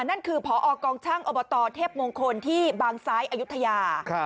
นั่นคือพอกองช่างอบตเทพมงคลที่บางซ้ายอายุทยา